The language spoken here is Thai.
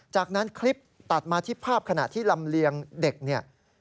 จากนั้นคลิปตัดมาที่ภาพขณะที่ลำเลียงเด็กเนี่ย